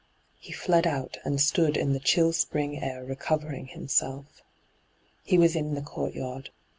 He fled out and stood in the chill spring air recovering himself He "was in the courtyard.